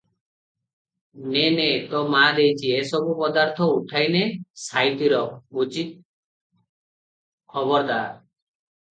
ନେ ନେ, ତୋ ମା ଦେଇଛି, ଏ ସବୁ ପଦାର୍ଥ ଉଠାଇ ନେ, ସାଇତି ରଖ, ବୁଝି ଖବରଦାର!